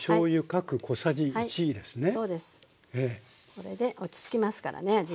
これで落ち着きますからね味が。